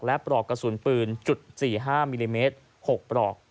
และปลอกกระสุนปืนจุด๔๕มิลลิเมตร๖ปลอก